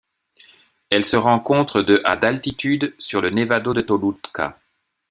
Elle se rencontre de à d'altitude sur le Nevado de Toluca.